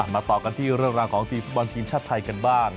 ต่อกันที่เรื่องราวของทีมฟุตบอลทีมชาติไทยกันบ้าง